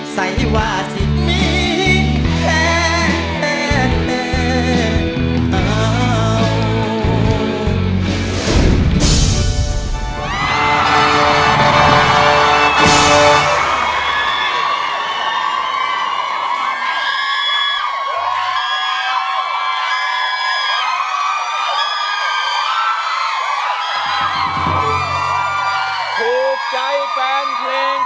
ใส่ว่าสิมีแห่ง